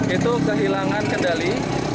itu kehilangan kendali